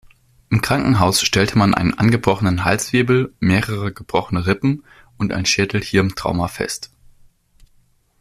Im Krankenhaus stellte man einen angebrochenen Halswirbel, mehrere gebrochene Rippen und ein Schädel-Hirn-Trauma fest.